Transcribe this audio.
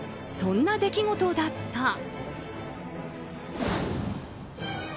そんな出来事だった。